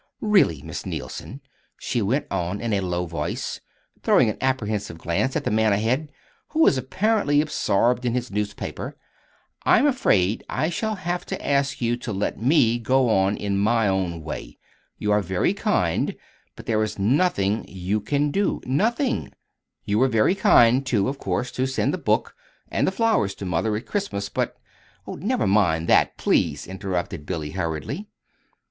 "Really, Miss Neilson," she went on in a low voice, throwing an apprehensive glance at the man ahead, who was apparently absorbed in his newspaper, "I'm afraid I shall have to ask you to let me go on in my own way. You are very kind, but there is nothing you can do; nothing. You were very kind, too, of course, to send the book and the flowers to mother at Christmas; but " "Never mind that, please," interrupted Billy, hurriedly.